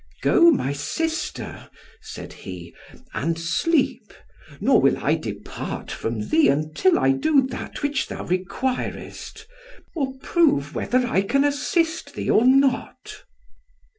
"Go, my sister," said he, "and sleep; nor will I depart from thee until I do that which thou requirest, or prove whether I can assist thee or not."